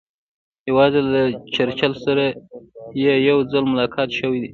یوازې له چرچل سره یې یو ځل ملاقات شوی دی.